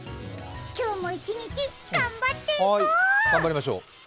今日も一日頑張っていこう。